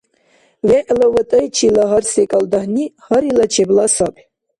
ВегӀла ватӀайчила гьар-секӀал дагьни – гьарилла чебла саби.